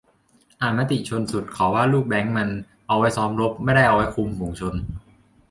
อ่านมติชนสุด เขาว่าลูกแบลงก์มันเอาไว้ซ้อมรบ ไม่ได้เอาไว้คุมฝูงชน